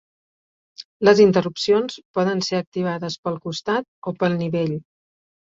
Les interrupcions poden ser activades pel costat o pel nivell.